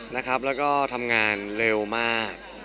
แล้วก็ทำงานเร็วมาก